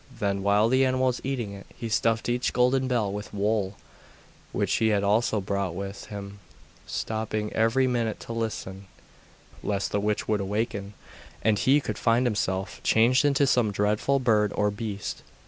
Then, while the animal was eating it, he stuffed each golden bell with wool which he had also brought with him, stopping every minute to listen, lest the witch should awaken, and he should find himself changed into some dreadful bird or beast.